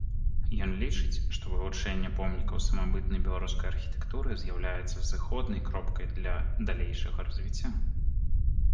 Ён лічыць, што вывучэнне помнікаў самабытнай беларускай архітэктуры з'яўляецца зыходнай кропкай для далейшага развіцця.